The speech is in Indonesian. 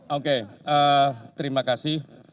oke terima kasih